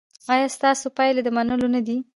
ایا ستاسو پایلې د منلو نه دي؟